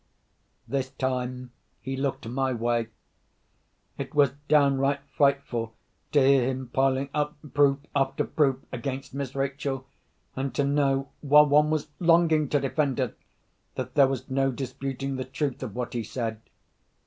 This time he looked my way. It was downright frightful to hear him piling up proof after proof against Miss Rachel, and to know, while one was longing to defend her, that there was no disputing the truth of what he said.